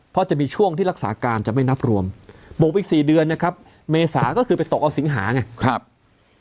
เพราะจะมีช่วงที่รักษาการจะไม่นับรวมบวกไปอีก๔เดือนนะครับเมษาก็คือไปตกเอาสิงหาไงครับ